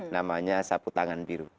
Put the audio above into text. namanya sapu tangan biru